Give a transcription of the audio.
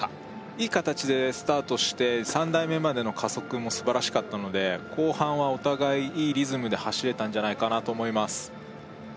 いい形でスタートして３台目までの加速も素晴らしかったので後半はお互いいいリズムで走れたんじゃないかなと思います